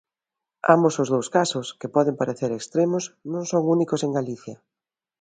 Ambos os dous casos, que poden parecer extremos, non son únicos en Galicia.